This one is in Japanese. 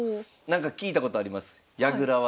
なんか聞いたことあります。